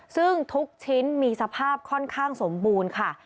ซึ่งทุกชิ้นมีสภาพค่อนข้างสมบูรณ์ค่ะ